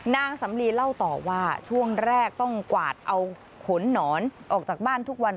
นางสำลีเล่าต่อว่าช่วงแรกต้องกวาดเอาขนหนอนออกจากบ้านทุกวัน